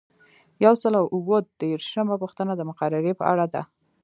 یو سل او اووه دیرشمه پوښتنه د مقررې په اړه ده.